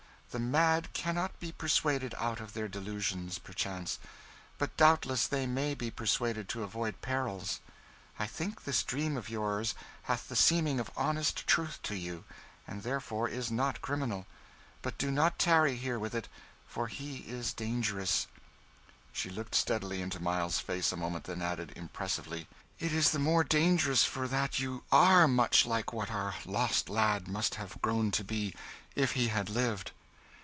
The mad cannot be persuaded out of their delusions, perchance; but doubtless they may be persuaded to avoid perils. I think this dream of yours hath the seeming of honest truth to you, and therefore is not criminal but do not tarry here with it; for here it is dangerous." She looked steadily into Miles's face a moment, then added, impressively, "It is the more dangerous for that you are much like what our lost lad must have grown to be if he had lived."